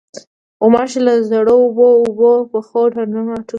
غوماشې له زړو اوبو، اوبو پخو ډنډو نه راټوکېږي.